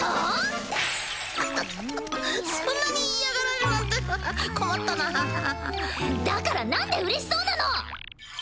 イタタタタそんなに嫌がられるなんて困ったなあだから何で嬉しそうなの！